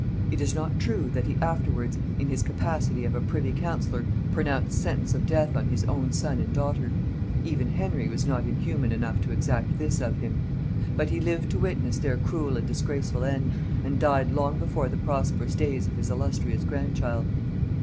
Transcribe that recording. It is not true that he afterwards, in his capacity of a privy councillor, pronounced sentence of death on his own son and daughter; even Henry was not inhuman enough to exact this of him; but he lived to witness their cruel and disgraceful end, and died long before the prosperous days of his illustrious grandchild.